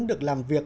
được làm việc